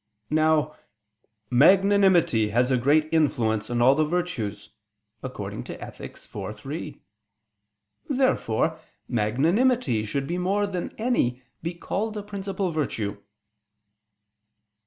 Now "magnanimity has a great influence on all the virtues" (Ethic. iv, 3). Therefore magnanimity should more than any be called a principal virtue.